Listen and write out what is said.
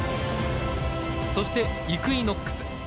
そして、イクイノックス。